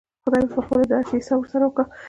خداى به پخپله د هر شي حساب ورسره وکا.